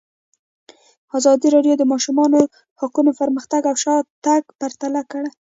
ازادي راډیو د د ماشومانو حقونه پرمختګ او شاتګ پرتله کړی.